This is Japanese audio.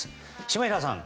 下平さん！